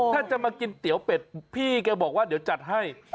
ถ้าจะมากินเตี๋ยวเป็ดพี่แกบอกว่าเดี๋ยวจัดให้